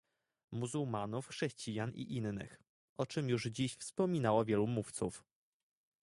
muzułmanów, chrześcijan i innych, o czym już dziś wspominało wielu mówców